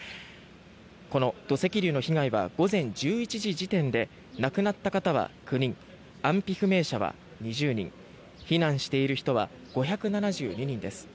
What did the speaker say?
この土石流の被害は午前１１時時点で亡くなった方は９人安否不明者は２０人避難している人は５７２人です。